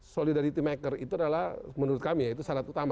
solidarity maker itu adalah menurut kami yaitu syarat utama